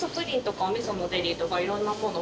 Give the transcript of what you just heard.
いろんなものを。